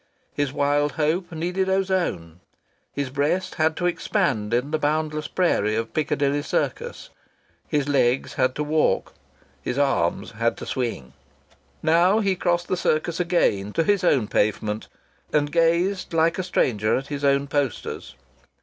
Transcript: His wild hope needed ozone. His breast had to expand in the boundless prairie of Piccadilly Circus. His legs had to walk. His arms had to swing. Now he crossed the Circus again to his own pavement and gazed like a stranger at his own posters.